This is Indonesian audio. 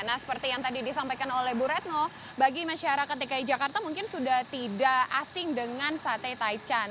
nah seperti yang tadi disampaikan oleh bu retno bagi masyarakat dki jakarta mungkin sudah tidak asing dengan sate taichan